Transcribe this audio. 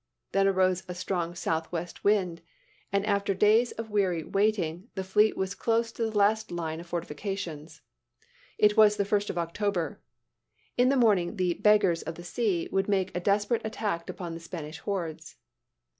Then arose a strong southwest wind and after days of weary waiting, the fleet was close on the last line of fortifications. It was the first of October. In the morning the "beggars" of the sea would make a desperate attack upon the Spanish hordes.